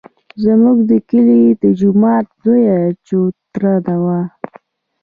زموږ د کلي د جومات لویه چوتره وه.